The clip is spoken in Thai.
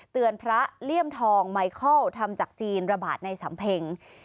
พระเลี่ยมทองไมเคิลทำจากจีนระบาดในสำเพ็ง